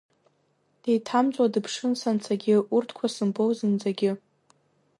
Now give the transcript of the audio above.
Деиҭамҵуа дыԥшын санцагьы, урҭқәа сымбоу зынӡагьы.